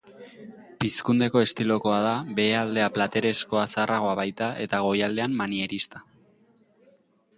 Pizkundeko estilokoa da, behealdea platereskoa zaharragoa baita, eta goialdean manierista.